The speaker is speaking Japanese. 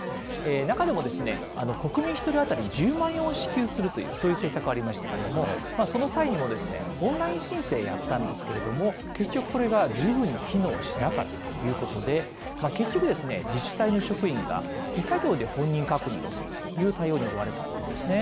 中でも、国民１人当たり１０万円を支給するという、そういう施策がありましたけれども、その際にも、オンライン申請やったんですけれども、結局、これが十分に機能しなかったということで、結局、自治体の職員が手作業で本人確認をするという対応に追われたわけですね。